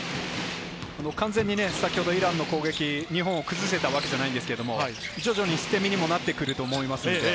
完全に先ほどイランの攻撃、日本を崩せたわけじゃないんですけど、徐々に捨て身にもなってくると思います。